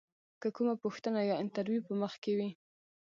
که کومه پوښتنه یا انتریو په مخ کې وي.